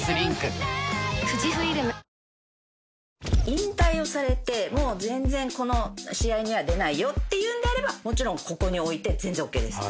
引退をされてこの試合には出ないよっていうんであればもちろんここに置いて全然ＯＫです。